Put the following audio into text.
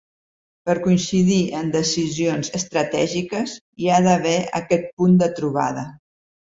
Per coincidir en decisions estratègiques hi ha d’haver aquest punt de trobada.